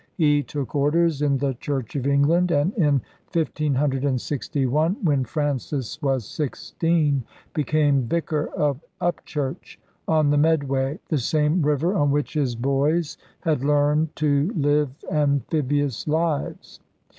He took orders in the Church of England, and in 1561, when Francis was sixteen, became vicar of Upchurch on the Medway, the same river on which his boys had learned to live amphibious lives.